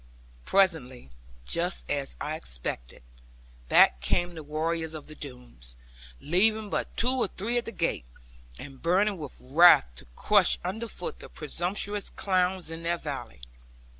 Presently, just as I expected, back came the warriors of the Doones; leaving but two or three at the gate, and burning with wrath to crush under foot the presumptuous clowns in their valley.